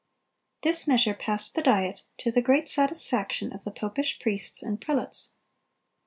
(286) This measure passed the Diet, to the great satisfaction of the popish priests and prelates.